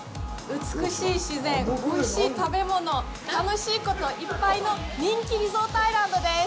美しい自然、おいしい食べ物、楽しいこといっぱいの人気リゾートアイランドです。